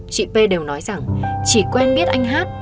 chị p đều nói rằng chỉ quen biết anh hát